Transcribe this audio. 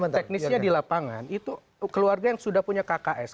teknisnya di lapangan itu keluarga yang sudah punya kks